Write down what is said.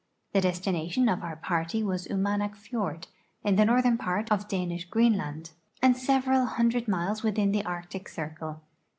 The destination of our party was Umanak fiord, in the northern [)art of Danisli Greenland and several hundred miles within the Arctic circle.